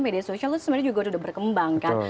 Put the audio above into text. media sosial itu sebenarnya juga sudah berkembang kan